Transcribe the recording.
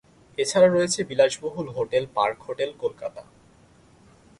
এছাড়া রয়েছে বিলাসবহুল হোটেল পার্ক হোটেল, কলকাতা।